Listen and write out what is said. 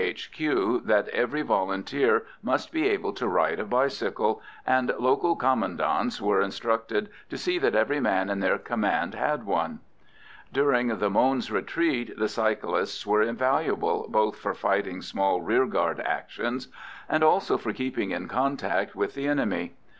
H.Q. that every Volunteer must be able to ride a bicycle, and local commandants were instructed to see that every man in their command had one. During the Mons retreat the cyclists were invaluable, both for fighting small rearguard actions and also for keeping in contact with the enemy.